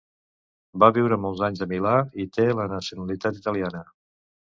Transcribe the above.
Va viure molts anys a Milà, i té la nacionalitat italiana.